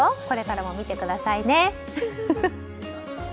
これからも見てくださいね。